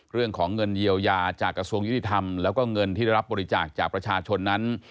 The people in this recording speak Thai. เรื่องของเงินเยียวยาจากกระทรวงยุติธรรมแล้วก็เงินที่ได้รับบริจาคจากประชาชนนั้น